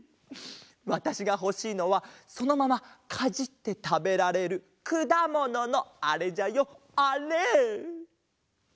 わたしがほしいのはそのままかじってたべられるくだもののあれじゃよあれ！